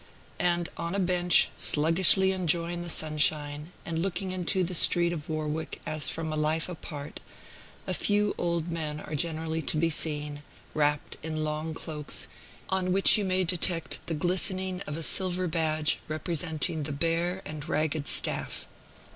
And on a bench, sluggishly enjoying the sunshine, and looking into the street of Warwick as from a life apart, a few old men are generally to be seen, wrapped in long cloaks, on which you may detect the glistening of a silver badge representing the Bear and Ragged Staff.